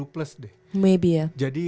dua puluh plus deh maybe ya jadi